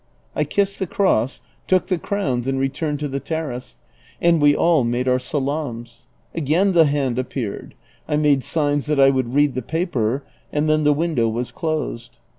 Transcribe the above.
I kissed the cross, took the crowns and returned to the terrace, and we all made our salaams ; again the hand appeared, I made signs that I would read the paper, and then the window was closed.